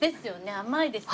甘いですよね？